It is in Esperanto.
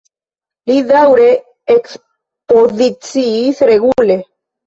Li daŭre ekspoziciis regule.